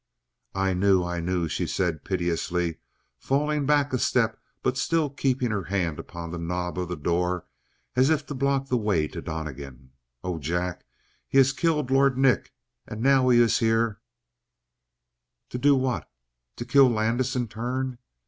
"I knew; I knew!" she said piteously, falling back a step but still keeping her hand upon the knob of the door as if to block the way to Donnegan. "Oh, Jack, he has killed Lord Nick and now he is here " To do what? To kill Landis in turn?